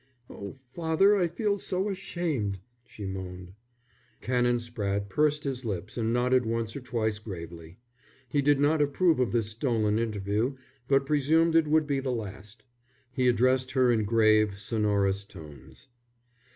"Oh, father, I feel so ashamed," she moaned. Canon Spratte pursed his lips and nodded once or twice gravely. He did not approve of this stolen interview, but presumed it would be the last. He addressed her in grave, sonorous tones.